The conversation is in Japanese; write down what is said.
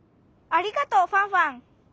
ありがとうファンファン。